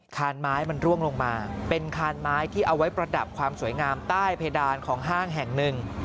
คานไม้มันร่วงลงมาเป็นคานไม้ที่เอาไว้ประดับความสวยงามใต้เพดานของห้างแห่งหนึ่ง